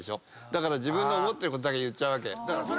だから自分の思ってることだけ言っちゃうわけ。